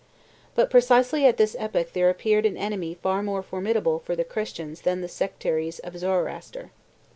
But precisely at this epoch there appeared an enemy far more formidable for the Christians than the sectaries of Zoroaster.